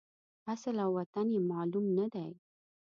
اصل او وطن یې معلوم نه دی.